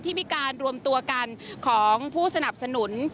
ที่มีการรวมตัวกันของผู้สนับสนุน